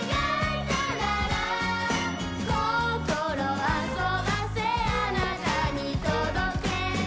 「心遊ばせあなたに届け」